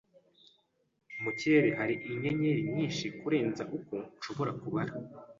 Mu kirere hariho inyenyeri nyinshi kurenza uko nshobora kubara.